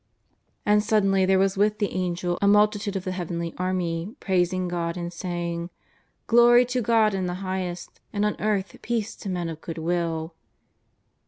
''And suddenly there was witli the Angel a multitude of the heavenly army praising God and saying: " Glory to God in the highest, and on earth peace to men of good will.